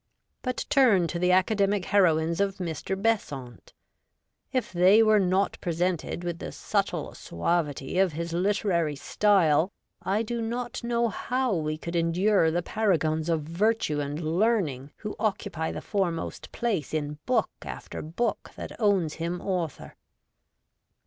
But turn to the academic heroines of Mr. Besant. If they were not presented with the subtle suavity of his literary style, I do not know how we could endure the paragons of virtue and learning who occupy the foremost place in book after book that owns him author.